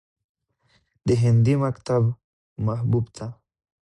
د هندي مکتب محبوب ته